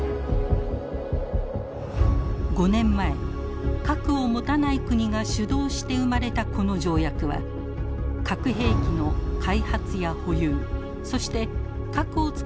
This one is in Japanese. ５年前核を持たない国が主導して生まれたこの条約は核兵器の開発や保有そして核を使った威嚇も禁止しています。